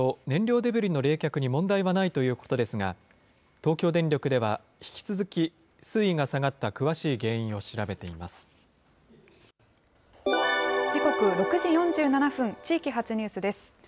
燃料デブリの冷却に問題はないということですが、東京電力では、引き続き水位が下がった詳し時刻は６時４７分、地域発ニュースです。